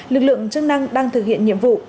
lực lượng chức năng đang thực hiện nhiệm vụ